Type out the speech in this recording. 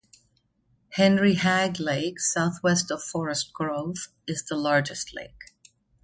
Henry Hagg Lake, southwest of Forest Grove, is the largest lake.